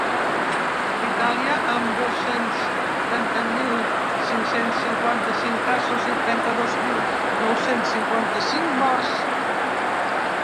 Itàlia, amb dos-cents trenta mil cinc-cents cinquanta-cinc casos i trenta-dos mil nou-cents cinquanta-cinc morts.